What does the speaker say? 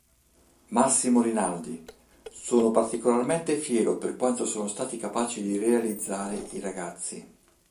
Massimo Rinaldi: "Sono particolarmente fiero per quanto sono stati capaci di realizzare i ragazzi.